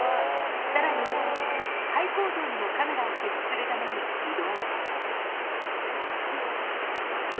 さらに廃工場にもカメラを設置するために移動。